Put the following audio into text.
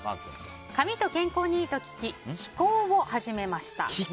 髪と健康にいいと聞き気功を始めました。